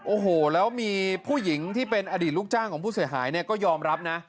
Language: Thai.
โอ้โหแล้วมีผู้หญิงที่เป็นอดีตลูกจ้างของผู้เสียหายเนี่ยก็ยอมรับนะ